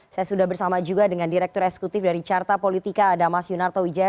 saya sudah bersama juga dengan direktur eksekutif dari carta politika ada mas yunarto wijaya